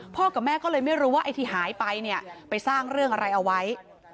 กับแม่ก็เลยไม่รู้ว่าไอ้ที่หายไปเนี่ยไปสร้างเรื่องอะไรเอาไว้